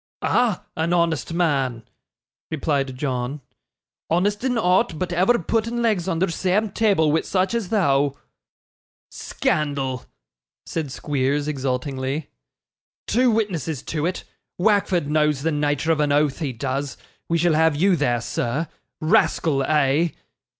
'Ah! an honest man,' replied John; 'honest in ought but ever putting legs under seame table wi' such as thou.' 'Scandal!' said Squeers, exultingly. 'Two witnesses to it; Wackford knows the nature of an oath, he does; we shall have you there, sir. Rascal, eh?